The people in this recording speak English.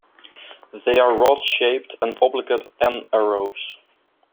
They are rod-shaped and obligate anaerobes.